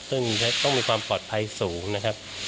ซึ่งต้องมีความปลอดภัยสูงนะครับ